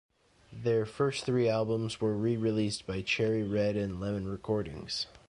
Their first three albums were re-released by Cherry Red and Lemon Recordings.